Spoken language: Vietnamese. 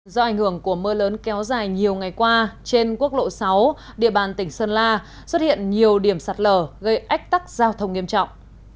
do ảnh hưởng của mưa lớn kéo dài nhiều ngày qua trên quốc lộ sáu địa bàn tỉnh sơn la xuất hiện nhiều điểm sạt lở gây ách tắc giao thông nghiêm trọng